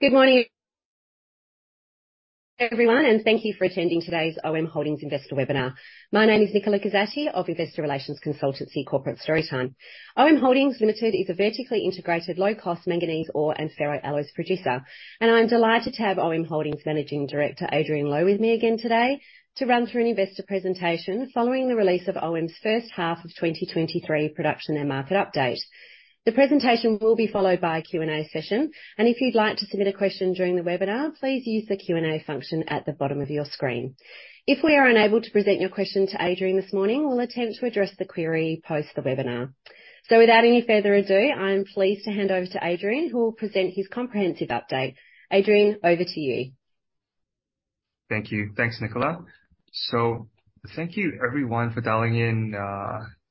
Good morning, everyone, and thank you for attending today's OM Holdings investor webinar. My name is Nicola Gosatti of Corporate Storytime. OM Holdings Limited is a vertically integrated, low-cost manganese ore and ferroalloy producer, and I'm delighted to have OM Holdings Managing Director, Adrian Low, with me again today to run through an investor presentation following the release of OM's first half of 2023 production and market update. The presentation will be followed by a Q&A session, and if you'd like to submit a question during the webinar, please use the Q&A function at the bottom of your screen. If we are unable to present your question to Adrian this morning, we'll attempt to address the query post the webinar. So without any further ado, I am pleased to hand over to Adrian, who will present his comprehensive update. Adrian, over to you. Thank you. Thanks, Nicola. So thank you everyone for dialing in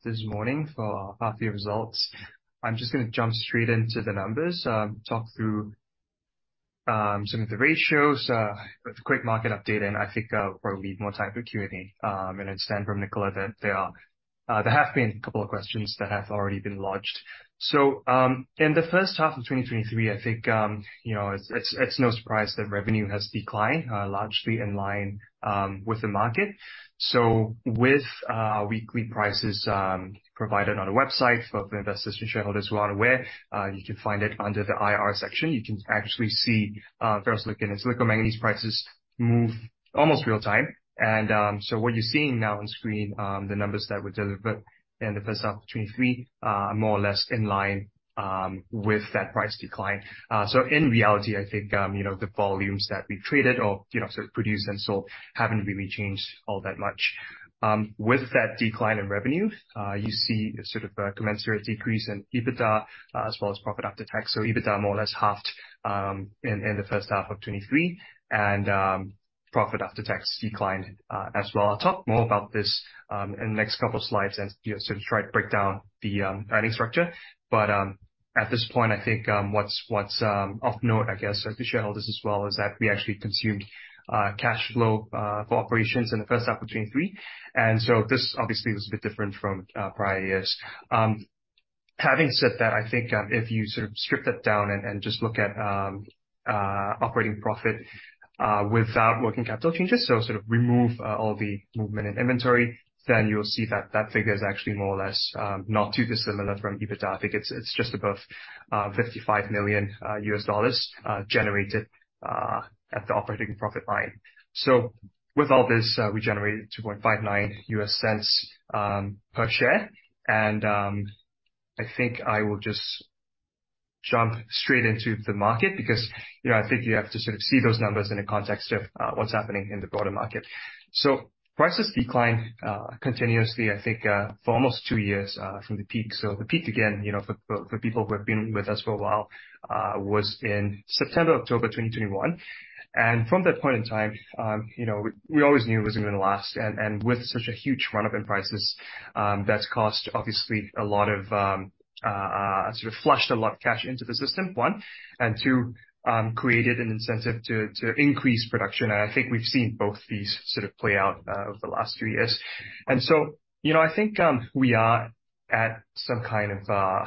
this morning for our half year results. I'm just gonna jump straight into the numbers, talk through some of the ratios with a quick market update, and I think we'll leave more time for Q&A. And I understand from Nicola that there have been a couple of questions that have already been lodged. So in the first half of 2023, I think you know, it's, it's, it's no surprise that revenue has declined largely in line with the market. So with weekly prices provided on the website for the investors and shareholders who aren't aware, you can find it under the IR section. You can actually see ferrosilicon and silicomanganese prices move almost real time. So what you're seeing now on screen, the numbers that were delivered in the first half of 2023, are more or less in line with that price decline. So in reality, I think, you know, the volumes that we've traded or, you know, sort of produced and sold haven't really changed all that much. With that decline in revenue, you see a sort of a commensurate decrease in EBITDA, as well as profit after tax. So EBITDA more or less halved in the first half of 2023, and profit after tax declined as well. I'll talk more about this in the next couple of slides, and, you know, sort of try to break down the earnings structure. But, at this point, I think, what's, what's, off-note, I guess, to shareholders as well, is that we actually consumed, cash flow, for operations in the first half of 2023, and so this obviously was a bit different from, prior years. Having said that, I think, if you sort of strip that down and, and just look at, operating profit, without working capital changes, so sort of remove, all the movement in inventory, then you'll see that that figure is actually more or less, not too dissimilar from EBITDA. I think it's, it's just above, $55 million, generated, at the operating profit line. So with all this, we generated $0.0259 per share. I think I will just jump straight into the market because, you know, I think you have to sort of see those numbers in the context of what's happening in the broader market. So prices declined continuously, I think, for almost two years from the peak. So the peak, again, you know, for people who have been with us for a while, was in September, October 2021. And from that point in time, you know, we always knew it wasn't gonna last. With such a huge run-up in prices, that's cost obviously a lot of sort of flushed a lot of cash into the system, one, and two, created an incentive to increase production, and I think we've seen both these sort of play out over the last three years. So, you know, I think we are at some kind of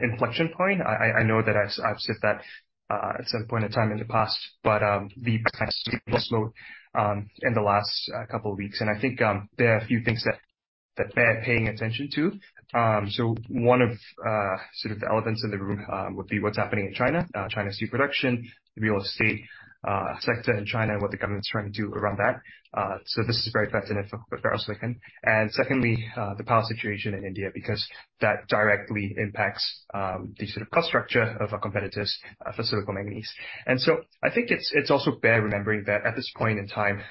inflection point. I know that I've said that at some point in time in the past, but in the last couple of weeks, and I think there are a few things that bear paying attention to. So one of sort of the elements in the room would be what's happening in China. China's steel production, the real estate sector in China and what the government's trying to do around that. So this is very pertinent for ferrosilicon. And secondly, the power situation in India, because that directly impacts the sort of cost structure of our competitors for silicon manganese. And so I think it's also worth remembering that at this point in time,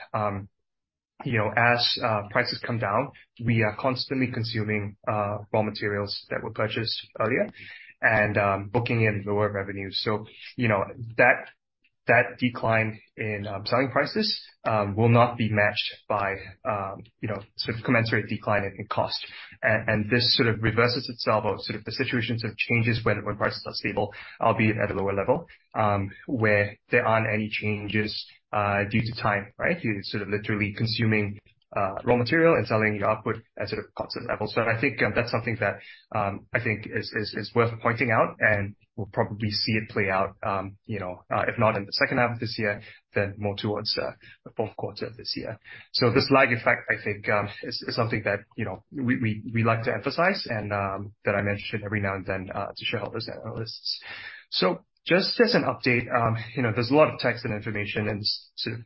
you know, as prices come down, we are constantly consuming raw materials that were purchased earlier and booking in lower revenues. So, you know, that decline in selling prices will not be matched by, you know, sort of commensurate decline in cost. This sort of reverses itself or sort of the situation sort of changes when prices are stable, albeit at a lower level, where there aren't any changes due to time, right? You're sort of literally consuming raw material and selling your output at sort of constant levels. So I think that's something that I think is worth pointing out, and we'll probably see it play out, you know, if not in the second half of this year, then more towards the fourth quarter of this year. So this lag effect, I think, is something that you know, we like to emphasize and that I mention every now and then to shareholders and analysts. So just as an update, you know, there's a lot of text and information in this sort of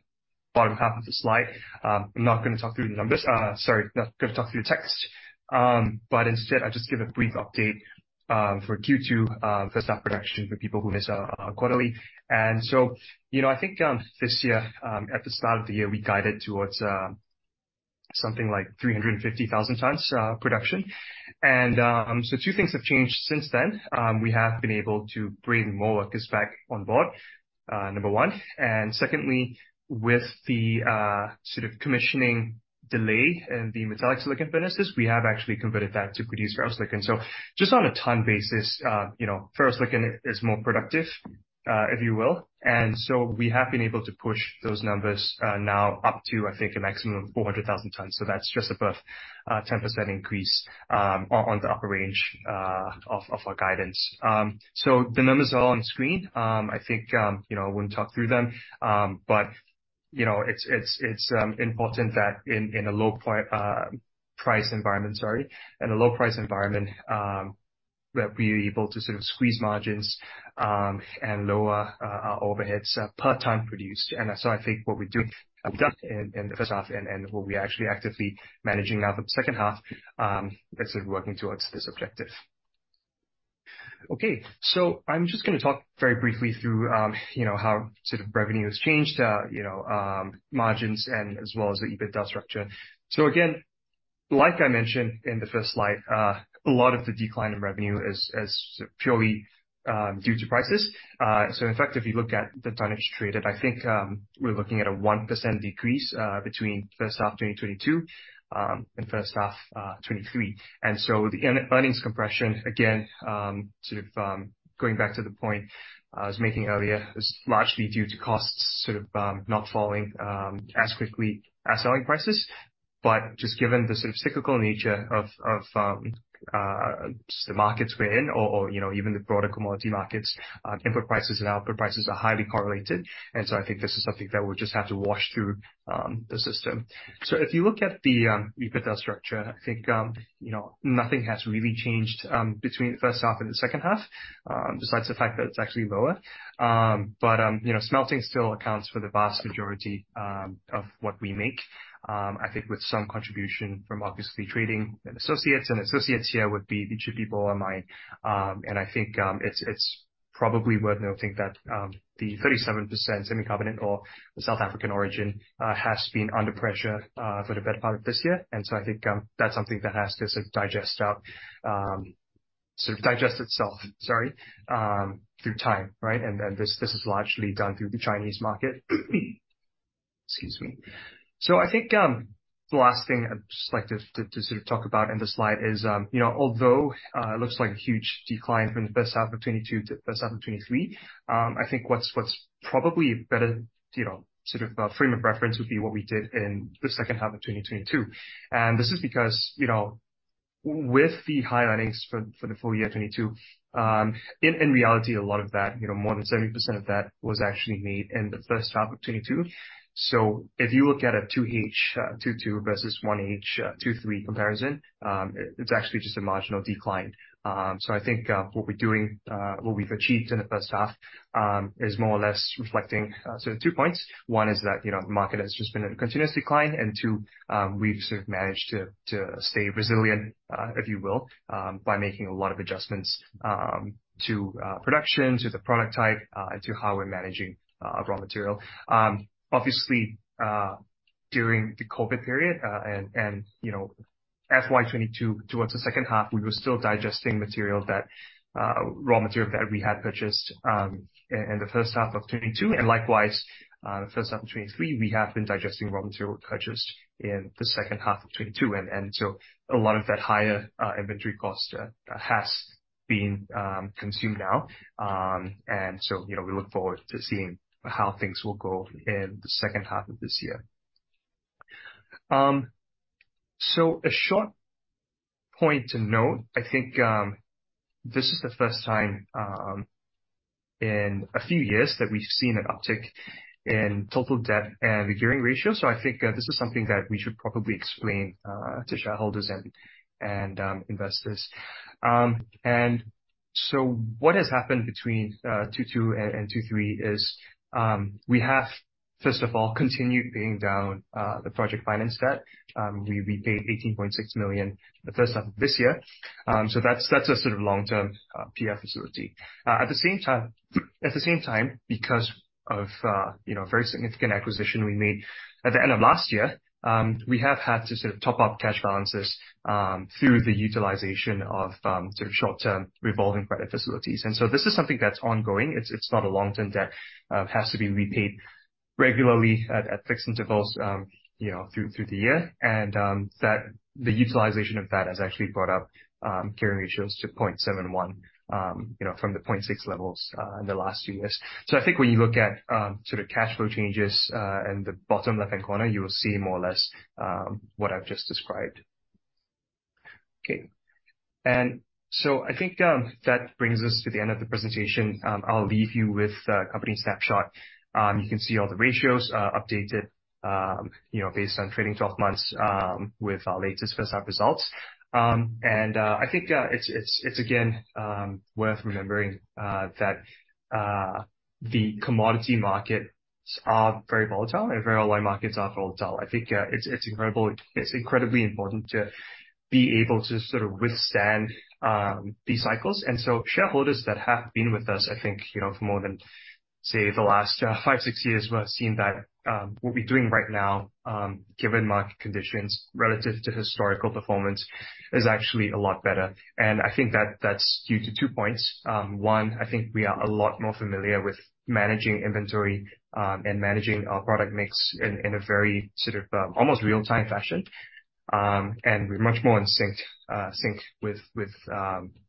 bottom half of the slide. I'm not gonna talk through the numbers. Sorry, not gonna talk through the text, but instead I'll just give a brief update, for Q2, first half production for people who miss our, our quarterly. And so, you know, I think, this year, at the start of the year, we guided towards, something like 350,000 tons, production. And, so two things have changed since then. We have been able to bring more workers back on board, number one. And secondly, with the, sort of commissioning delay in the metallic silicon furnaces, we have actually converted that to produce ferrosilicon. So just on a ton basis, you know, ferrosilicon is more productive, if you will. And so we have been able to push those numbers, now up to, I think, a maximum of 400,000 tons. So that's just above, 10% increase, on the upper range of our guidance. So the numbers are all on screen. I think, you know, I wouldn't talk through them, but. You know, it's important that in a low price environment, sorry, in a low price environment, that we're able to sort of squeeze margins, and lower our overheads per ton produced. I think what we're doing, have done in the first half, and what we're actually actively managing now the second half, is sort of working towards this objective. Okay, so I'm just gonna talk very briefly through, you know, how sort of revenue has changed, you know, margins, and as well as the EBITDA structure. So again, like I mentioned in the first slide, a lot of the decline in revenue is purely due to prices. So in fact, if you look at the tonnage traded, I think, we're looking at a 1% decrease, between first half 2022, and first half 2023. And so the earnings compression, again, sort of, going back to the point I was making earlier, is largely due to costs sort of, not falling, as quickly as selling prices. But just given the sort of cyclical nature of, of, just the markets we're in, or, or, you know, even the broader commodity markets, input prices and output prices are highly correlated, and so I think this is something that will just have to wash through, the system. So if you look at the, EBITDA structure, I think, you know, nothing has really changed, between the first half and the second half, besides the fact that it's actually lower. But, you know, smelting still accounts for the vast majority, of what we make. I think with some contribution from obviously trading and associates, and associates here would be the two people on my- and I think, it's probably worth noting that, the 37% semi-carbon ore of South African origin has been under pressure for the better part of this year. And so I think, that's something that has to sort of digest out, sort of digest itself, sorry, through time, right? And then this, this is largely done through the Chinese market. Excuse me. So I think, the last thing I'd just like to, to sort of talk about in the slide is, you know, although, it looks like a huge decline from the first half of 2022 to first half of 2023, I think what's, what's probably better, you know, sort of a frame of reference, would be what we did in the second half of 2022. And this is because, you know, with the high earnings for, for the full year 2022, in, in reality, a lot of that, you know, more than 70% of that was actually made in the first half of 2022. So if you look at a 2H 2022 versus 1H 2023 comparison, it's actually just a marginal decline. So I think what we're doing, what we've achieved in the first half is more or less reflecting two points. One is that, you know, the market has just been in a continuous decline, and two, we've sort of managed to stay resilient, if you will, by making a lot of adjustments to production, to the product type, and to how we're managing raw material. Obviously, during the COVID period, and you know, FY 2022, towards the second half, we were still digesting material that raw material that we had purchased in the first half of 2022. And likewise, the first half of 2023, we have been digesting raw material purchased in the second half of 2022. And so a lot of that higher inventory cost has been consumed now. And so, you know, we look forward to seeing how things will go in the second half of this year. So a short point to note, I think, this is the first time in a few years that we've seen an uptick in total debt and the gearing ratio. So I think this is something that we should probably explain to shareholders and investors. And so what has happened between 2022 and 2023 is we have, first of all, continued paying down the project finance debt. We paid $18.6 million the first time this year. So that's a sort of long-term PF facility. At the same time, at the same time, because of, you know, a very significant acquisition we made at the end of last year, we have had to sort of top up cash balances, through the utilization of, sort of short-term revolving credit facilities. And so this is something that's ongoing. It's, it's not a long-term debt, has to be repaid regularly at, at fixed intervals, you know, through, through the year. And, that-- the utilization of that has actually brought up, gearing ratios to 0.71, you know, from the 0.6 levels, in the last few years. So I think when you look at, sort of cash flow changes, in the bottom left-hand corner, you will see more or less, what I've just described. Okay, and so I think that brings us to the end of the presentation. I'll leave you with a company snapshot. You can see all the ratios, updated, you know, based on trailing twelve months, with our latest first half results. And, I think, it's again worth remembering that the commodity markets are very volatile, and very low markets are volatile. I think it's incredible - it's incredibly important to be able to sort of withstand these cycles. And so shareholders that have been with us, I think, you know, for more than, say, the last 5, 6 years, would have seen that what we're doing right now, given market conditions relative to historical performance, is actually a lot better. And I think that that's due to two points. One, I think we are a lot more familiar with managing inventory, and managing our product mix in, in a very sort of, almost real-time fashion. We're much more in sync... sync with, with,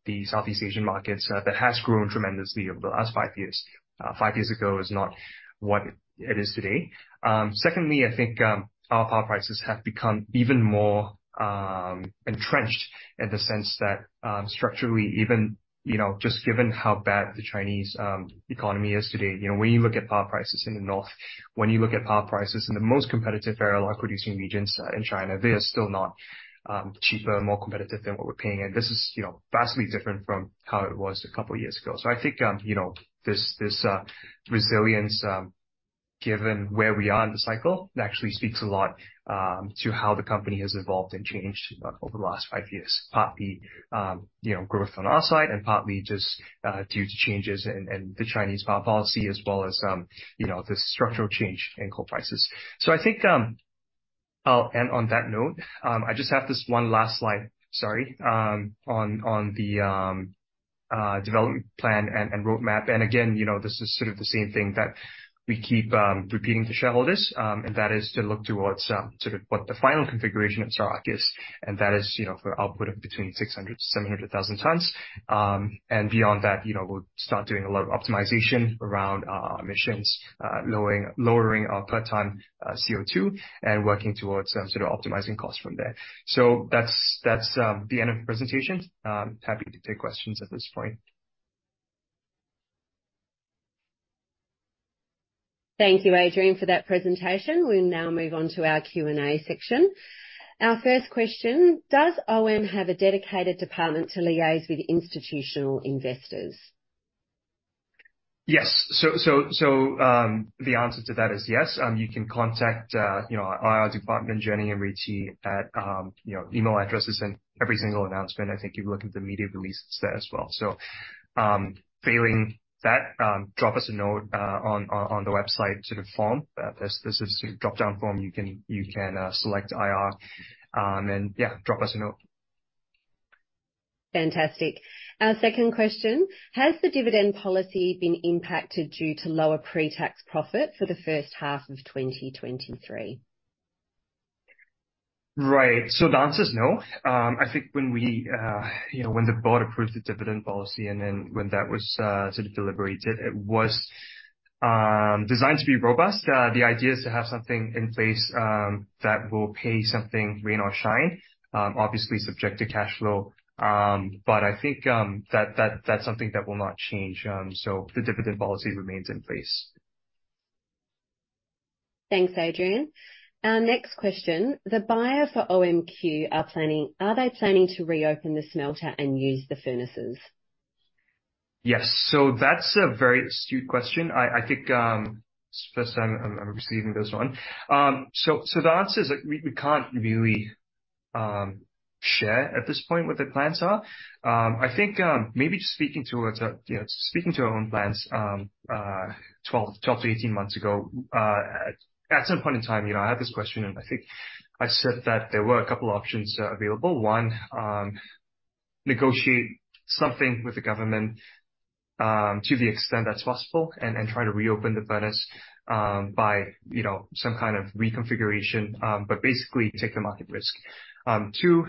the Southeast Asian markets, that has grown tremendously over the last five years. Five years ago is not what it is today. Secondly, I think, our power prices have become even more, entrenched in the sense that, structurally, even, you know, just given how bad the Chinese, economy is today, you know, when you look at power prices in the north, when you look at power prices in the most competitive iron ore producing regions in China, they are still not, cheaper and more competitive than what we're paying. This is, you know, vastly different from how it was a couple years ago. So I think, you know, this, this, resilience, given where we are in the cycle, it actually speaks a lot, to how the company has evolved and changed, over the last five years. Partly, you know, growth on our side and partly just, due to changes in, in the Chinese power policy as well as, you know, the structural change in coal prices. So I think, I'll end on that note. I just have this one last slide, sorry, on, on the, development plan and, and roadmap. Again, you know, this is sort of the same thing that we keep repeating to shareholders, and that is to look towards sort of what the final configuration of Sarawak is, and that is, you know, for output of between 600-700,000 tons. And beyond that, you know, we'll start doing a lot of optimization around emissions, lowering, lowering our per ton CO2, and working towards sort of optimizing costs from there. So that's the end of the presentation. Happy to take questions at this point. Thank you, Adrian, for that presentation. We'll now move on to our Q&A section. Our first question: Does OM have a dedicated department to liaise with institutional investors? Yes. So, the answer to that is yes. You can contact, you know, our IR department, Jenny and Richie at, you know, email addresses in every single announcement. I think if you look at the media releases there as well. So, failing that, drop us a note on the website sort of form. There's this sort of drop-down form, you can select IR, and then, yeah, drop us a note. Fantastic. Our second question: Has the dividend policy been impacted due to lower pre-tax profit for the first half of 2023? Right. So the answer is no. I think when we, you know, when the board approved the dividend policy, and then when that was, sort of deliberated, it was, designed to be robust. The idea is to have something in place, that will pay something, rain or shine, obviously subject to cash flow. But I think, that, that's something that will not change. So the dividend policy remains in place. Thanks, Adrian. Our next question: The buyer for OMQ, are they planning to reopen the smelter and use the furnaces? Yes. So that's a very astute question. I think first time I'm receiving this one. So the answer is that we can't really share at this point what the plans are. I think maybe just speaking towards you know speaking to our own plans 12-18 months ago at some point in time you know I had this question and I think I said that there were a couple options available. One negotiate something with the government to the extent that's possible and try to reopen the furnace by you know some kind of reconfiguration but basically take the market risk. Two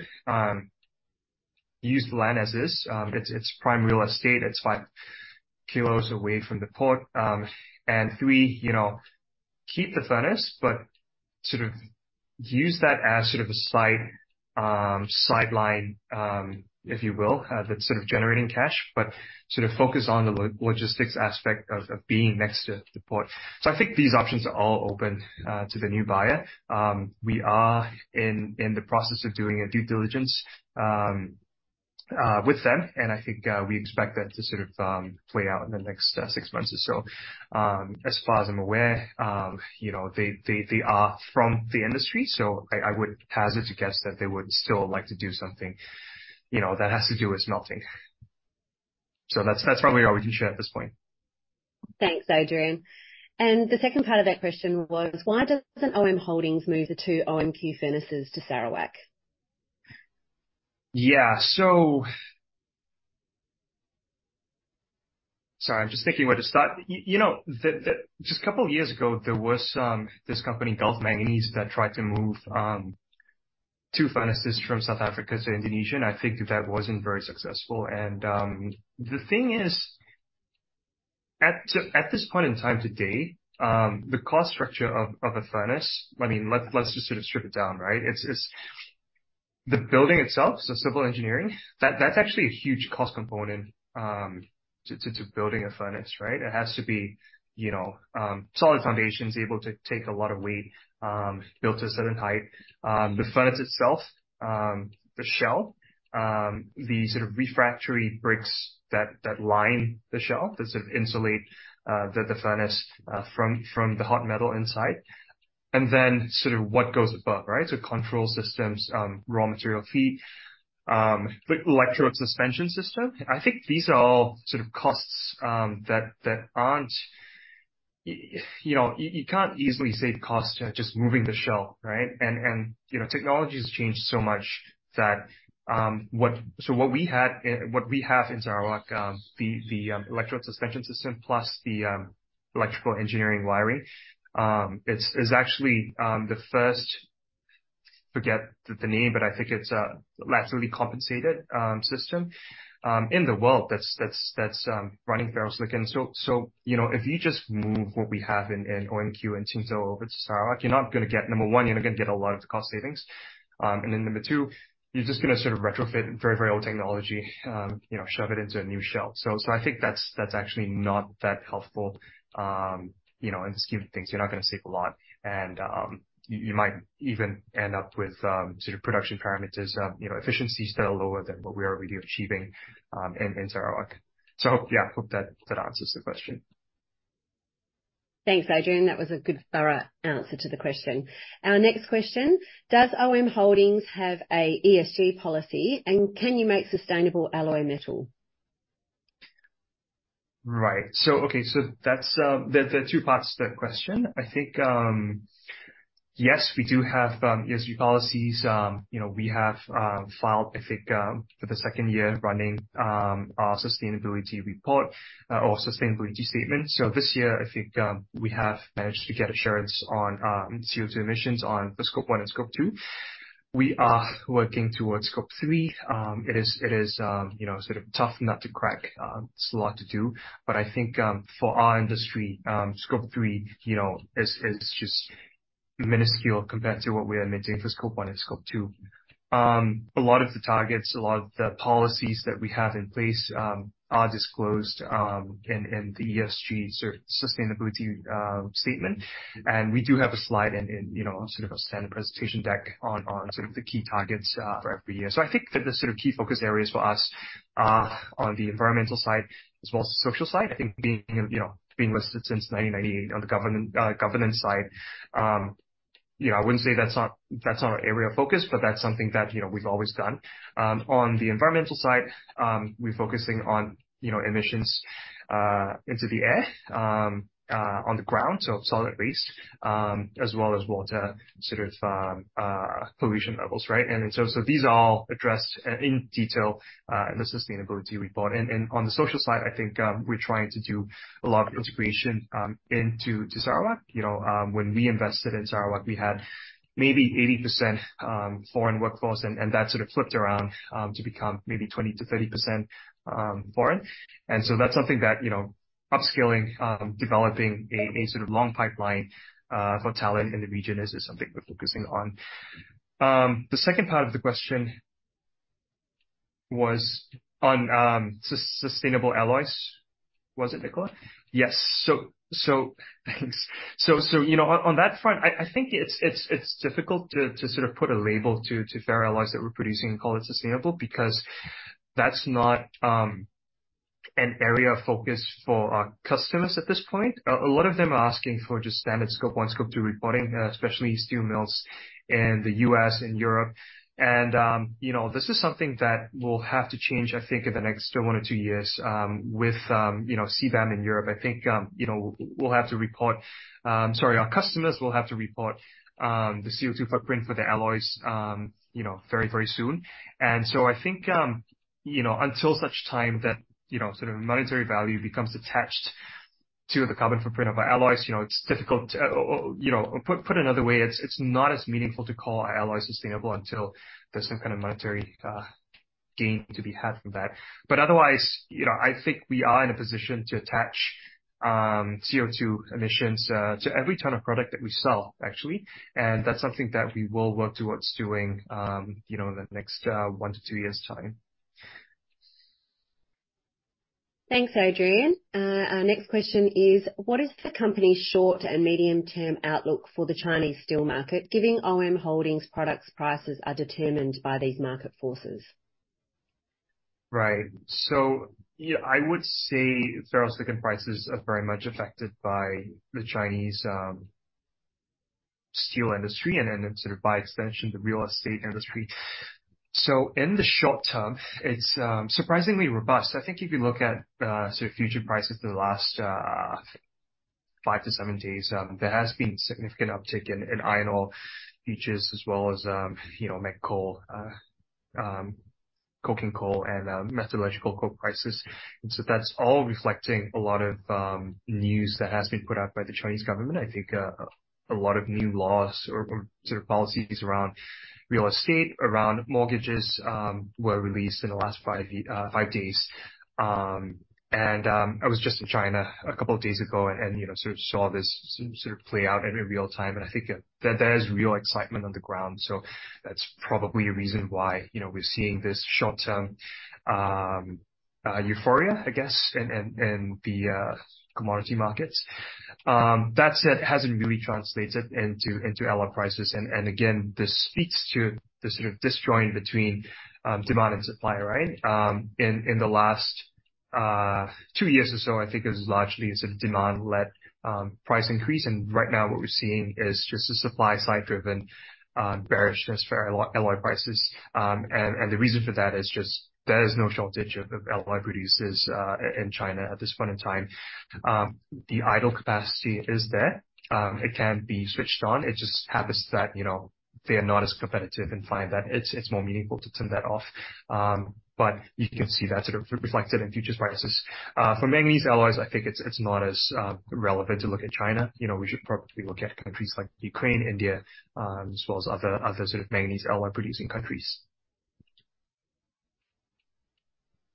use the land as is. It's prime real estate. It's 5 km away from the port. And three, you know, keep the furnace, but sort of use that as sort of a side sideline, if you will, that's sort of generating cash, but sort of focus on the logistics aspect of being next to the port. So I think these options are all open to the new buyer. We are in the process of doing a due diligence with them, and I think we expect that to sort of play out in the next six months or so. As far as I'm aware, you know, they are from the industry, so I would hazard to guess that they would still like to do something, you know, that has to do with smelting. So that's probably all we can share at this point. Thanks, Adrian. And the second part of that question was: Why doesn't OM Holdings move the two OMQ furnaces to Sarawak? Yeah. So... Sorry, I'm just thinking where to start. You know, the-- just a couple of years ago, there was this company, Gulf Manganese, that tried to move two furnaces from South Africa to Indonesia, and I think that wasn't very successful. And the thing is, at this point in time today, the cost structure of a furnace, I mean, let's just sort of strip it down, right? It's the building itself, so civil engineering, that's actually a huge cost component to building a furnace, right? It has to be, you know, solid foundations, able to take a lot of weight, built to a certain height. The furnace itself, the shell, the sort of refractory bricks that line the shell, that sort of insulate the furnace from the hot metal inside. And then sort of what goes above, right? So control systems, raw material feed, the electrode suspension system. I think these are all sort of costs that aren't... You know, you can't easily save costs just moving the shell, right? And, you know, technology has changed so much that, what-- So what we had, what we have in Sarawak, the electrode suspension system plus the electrical engineering wiring. It's actually the first, forget the name, but I think it's laterally compensated system in the world that's running ferrosilicon. You know, if you just move what we have in OMQ and Tinsukia over to Sarawak, you're not gonna get—Number one, you're not gonna get a lot of the cost savings. And then number two, you're just gonna sort of retrofit very, very old technology, you know, shove it into a new shell. So I think that's actually not that helpful. You know, in the scheme of things, you're not gonna save a lot. And you might even end up with sort of production parameters, you know, efficiencies that are lower than what we are already achieving in Sarawak. Yeah, hope that answers the question. Thanks, Adrian. That was a good, thorough answer to the question. Our next question: Does OM Holdings have an ESG policy, and can you make sustainable alloy metal? Right. So okay, so that's there are two parts to that question. I think, yes, we do have ESG policies. You know, we have filed, I think, for the second year running, our sustainability report, or sustainability statement. So this year, I think, we have managed to get assurance on CO2 emissions on the Scope 1 and Scope 2. We are working towards Scope 3. It is, you know, sort of, tough nut to crack. It's a lot to do, but I think, for our industry, Scope 3, you know, is just minuscule compared to what we are emitting for Scope 1 and Scope 2. A lot of the targets, a lot of the policies that we have in place, are disclosed in the ESG sort of sustainability statement. We do have a slide in, you know, sort of a standard presentation deck on the key targets for every year. I think that the sort of key focus areas for us on the environmental side, as well as the social side, being, you know, being listed since 1998 on the governance side, you know, I wouldn't say that's not our area of focus, but that's something that, you know, we've always done. On the environmental side, we're focusing on, you know, emissions into the air, on the ground, so solid waste, as well as water, sort of, pollution levels, right? So these are all addressed in detail in the sustainability report. On the social side, I think, we're trying to do a lot of integration into, to Sarawak. You know, when we invested in Sarawak, we had maybe 80% foreign workforce, and that sort of flipped around to become maybe 20%-30% foreign. So that's something that, you know, upscaling developing a, a sort of, long pipeline for talent in the region is something we're focusing on. The second part of the question was on sustainable alloys, was it, Nicola? Yes. So thanks. You know, on that front, I think it's difficult to sort of put a label to ferroalloys that we're producing and call it sustainable, because that's not an area of focus for our customers at this point. A lot of them are asking for just standard Scope 1, Scope 2 reporting, especially steel mills in the US and Europe. And you know, this is something that will have to change, I think, in the next one or two years, with you know, CBAM in Europe. I think you know, we'll have to report... Sorry, our customers will have to report the CO2 footprint for the alloys, you know, very, very soon. And so I think, you know, until such time that, you know, sort of, monetary value becomes attached to the carbon footprint of our alloys, you know, it's difficult to, you know... Put another way, it's not as meaningful to call our alloys sustainable until there's some kind of monetary gain to be had from that. But otherwise, you know, I think we are in a position to attach CO2 emissions to every ton of product that we sell, actually, and that's something that we will work towards doing, you know, in the next 1-2 years' time. Thanks, Adrian. Our next question is: What is the company's short and medium-term outlook for the Chinese steel market, giving OM Holdings products' prices are determined by these market forces? Right. So, yeah, I would say ferrosilicon prices are very much affected by the Chinese steel industry, and then sort of, by extension, the real estate industry. So in the short term, it's surprisingly robust. I think if you look at so future prices for the last 5-7 days, there has been significant uptick in iron ore futures as well as, you know, met coal, coking coal and metallurgical coal prices. And so that's all reflecting a lot of news that has been put out by the Chinese government. I think a lot of new laws or sort of policies around real estate, around mortgages, were released in the last 5 days. I was just in China a couple of days ago and, you know, sort of saw this sort of play out in real time, and I think that there is real excitement on the ground. So that's probably a reason why, you know, we're seeing this short-term euphoria, I guess, in the commodity markets. That said, it hasn't really translated into alloy prices. And again, this speaks to the sort of disconnect between demand and supply, right? In the last two years or so, I think it's largely a sort of demand-led price increase. And right now, what we're seeing is just a supply-side driven bearishness for alloy prices. And the reason for that is just, there is no shortage of alloy producers in China at this point in time. The idle capacity is there. It can be switched on. It just happens that, you know, they are not as competitive and find that it's more meaningful to turn that off. But you can see that sort of reflected in futures prices. For manganese alloys, I think it's not as relevant to look at China. You know, we should probably look at countries like Ukraine, India, as well as other sort of manganese alloy-producing countries.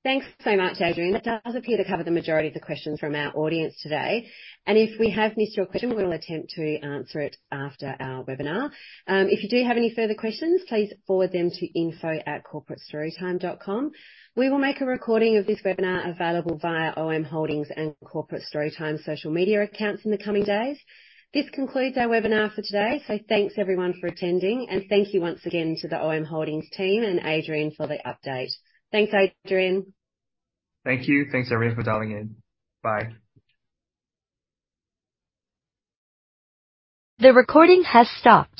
Thanks so much, Adrian. That does appear to cover the majority of the questions from our audience today, and if we have missed your question, we will attempt to answer it after our webinar. If you do have any further questions, please forward them to info@corporatestorytime.com. We will make a recording of this webinar available via OM Holdings and Corporate Storytime social media accounts in the coming days. This concludes our webinar for today, so thanks, everyone, for attending. And thank you once again to the OM Holdings team and Adrian for the update. Thanks, Adrian. Thank you. Thanks, everyone, for dialing in. Bye. The recording has stopped.